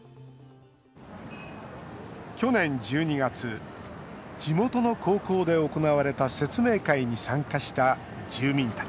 去年１２月地元の高校で行われた説明会に参加した住民たちです